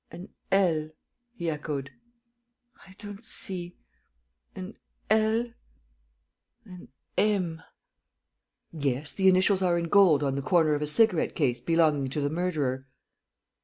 "An L," he echoed. "I don't see ... an L ... an M. ..." "Yes, the initials are in gold on the corner of a cigarette case belonging to the murderer."